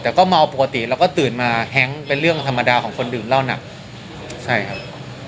แต่ก็เมาปกติแล้วก็ตื่นมาแฮ้งเป็นเรื่องธรรมดาของคนดื่มเหล้าหนักใช่ครับ